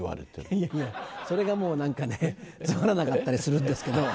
いやいやそれがもう何かねつまらなかったりするんですけど。